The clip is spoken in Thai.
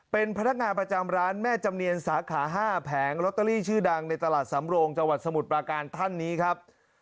เป็นพนักงานประจำร้านแม่จำเนียนสาขา๕แผงลอตเตอรี่ชื่อดังในตลาดสำโรงจังหวัดสมุทรปราการท่านนี้ครับ